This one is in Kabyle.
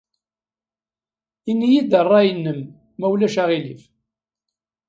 Ini-iyi-d ṛṛay-nnem, ma ulac aɣilif.